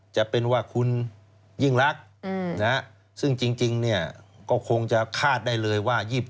จะเป็นว่าคุณยิ่งรักซึ่งจริงเนี่ยก็คงจะคาดได้เลยว่า